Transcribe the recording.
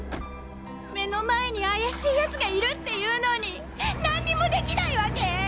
目の前に怪しい奴がいるっていうのに何にもできないわけ！？